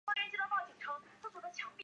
一部分过剩数也是半完全数。